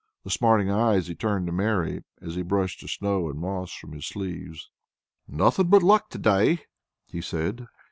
With smiling eyes he turned to Mary, as he brushed the snow and moss from his sleeves. "Nothing but luck to day," he said.